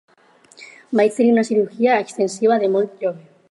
Vaig tenir una cirurgia extensiva de molt jove.